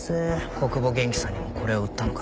小久保元気さんにもこれを売ったのか？